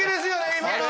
今の。